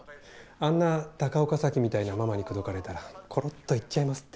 あんな高岡早紀みたいなママに口説かれたらコロッといっちゃいますって。